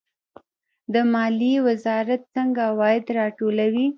د مالیې وزارت څنګه عواید راټولوي؟